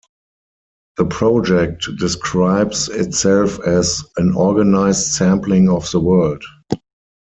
The project describes itself as "an organized sampling of the world".